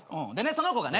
その子がね。